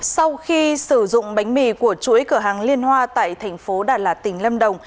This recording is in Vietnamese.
sau khi sử dụng bánh mì của chuỗi cửa hàng liên hoa tại thành phố đà lạt tỉnh lâm đồng